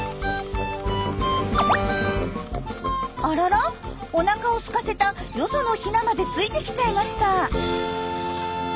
あららおなかをすかせたよそのヒナまでついてきちゃいました。